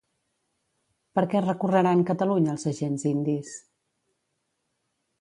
Per què recorreran Catalunya els agents indis?